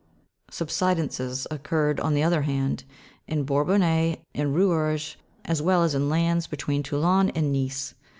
Subsidences occurred, on the other hand, in Bourbonnais and Rouergue, as well as in lands be tween Toulon and Mice.